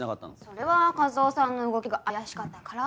それは一魚さんの動きが怪しかったから。